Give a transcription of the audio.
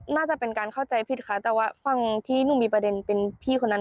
น่าจะเป็นการเข้าใจผิดค่ะแต่ว่าฝั่งที่หนูมีประเด็นเป็นพี่คนนั้น